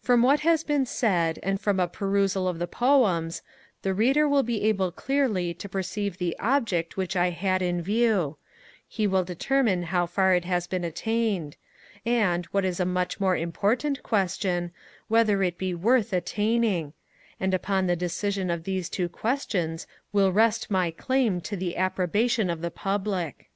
From what has been said, and from a perusal of the Poems, the Reader will be able clearly to perceive the object which I had in view: he will determine how far it has been attained; and, what is a much more important question, whether it be worth attaining: and upon the decision of these two questions will rest my claim to the approbation of the Public.